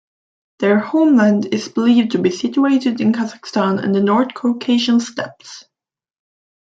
Their homeland is believed to be situated in Kazakhstan and the North Caucasian steppes.